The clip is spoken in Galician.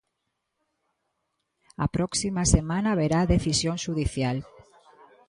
A próxima semana haberá decisión xudicial.